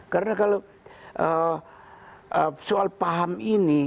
soal paham ini